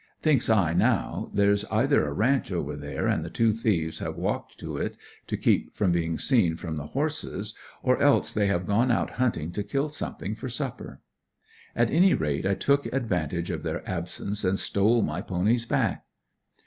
Thinks I now there's either a ranch over there and the two thieves have walked to it, to keep from being seen with the horses, or else they have gone out hunting to kill something for supper. At any rate I took advantage of their absence and stole my ponies back.